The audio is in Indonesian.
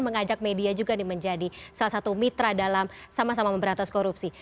mengajak media juga menjadi salah satu mitra dalam sama sama memberantas korupsi